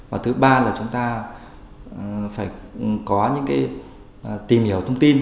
và thứ ba là chúng ta phải có những cái tìm hiểu thông tin